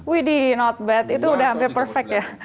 wih di not bad itu sudah hampir perfect ya